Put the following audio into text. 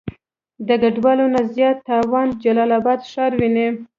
د ګډوالو نه زيات تاوان جلال آباد ښار وينئ.